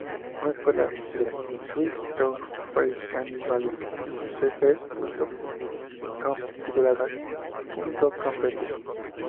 Una secuela de "Schitzophrenicannibalisticsexfest.com", titulada ".Com Pt.